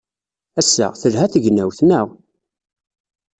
Ass-a, telha tegnewt, naɣ?